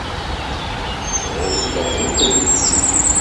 Ɣulleɣ ula d nekkinni.